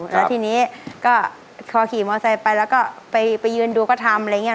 แล้วทีนี้ก็พอขี่มอไซค์ไปแล้วก็ไปยืนดูก็ทำอะไรอย่างนี้